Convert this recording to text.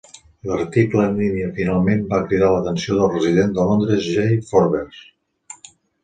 L'article en línia finalment va cridar l'atenció del resident de Londres Jay Forbes.